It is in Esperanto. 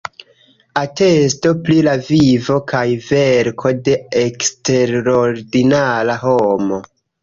Atesto pri la vivo kaj verko de eksterordinara homo".